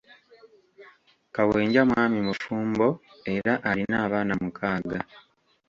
Kawenja mwami mufumbo era alina abaana mukaaga